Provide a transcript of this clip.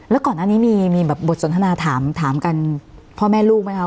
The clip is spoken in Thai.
แล้วก่อนหน้านี้มีแบบบทสนทนาถามกันพ่อแม่ลูกไหมคะ